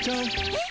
えっ？